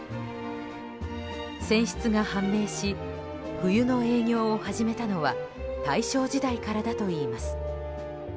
泉質が判明し冬の営業を始めたのは大正時代からだといいます。